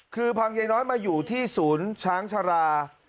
คือพังยายน้อยมาอยู่ที่ศูนย์ช้างชารา